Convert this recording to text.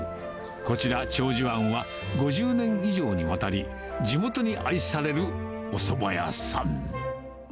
こちら、長寿庵は５０年以上にわたり、地元に愛されるおそば屋さん。